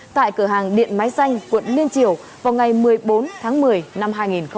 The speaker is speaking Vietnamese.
tại cửa hàng điện máy xanh quận liên triều vào ngày một mươi bốn tháng một mươi năm hai nghìn một mươi chín